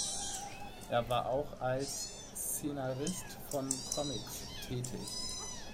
Er war auch als Szenarist von Comics tätig.